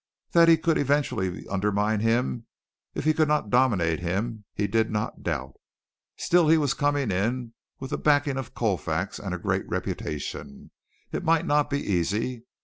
That he could eventually undermine him if he could not dominate him he did not doubt. Still he was coming in with the backing of Colfax and a great reputation, and it might not be easy.